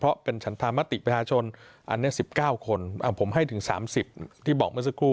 เพราะเป็นฉันธรรมติประชาชนอันนี้๑๙คนผมให้ถึง๓๐ที่บอกเมื่อสักครู่